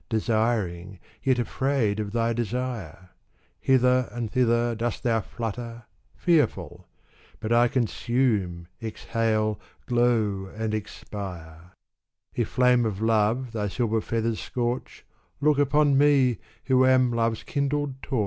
Desiring, yet afraid of thy Desire ! Hither and thither dost thou flutter, fearful ; But I consume, exhale, glow, and expire. " If flame of Love thy silver feathers scorch, Look upon me, who am Love's kindled Torch ! iTranslaled by Sir Edwin Arnold.